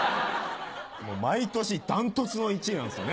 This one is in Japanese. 毎年断トツの１位なんですよね。